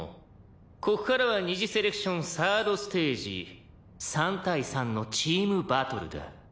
「ここからは二次セレクション３ｒｄステージ」「３対３のチームバトルだ」